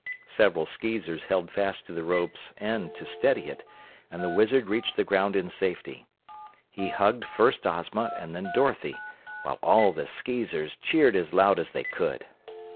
Several Skeezers held fast to the rope's end to steady it and the Wizard reached the ground in safety. He hugged first Ozma and then Dorothy, while all the Skeezers cheered as loud as they could.